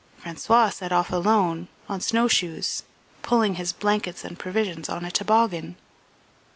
François set of alone, on snow shoes, pulling his blankets and provisions on a toboggan."